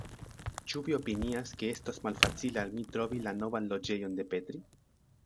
Ĉu vi opinias, ke estos malfacile al mi trovi la novan loĝejon de Petri.